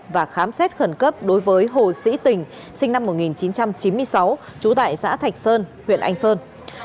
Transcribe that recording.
và khám xét khẩn cấp đối với hồ sĩ tình sinh năm một nghìn chín trăm chín mươi sáu trú tại xã thạch sơn huyện anh sơn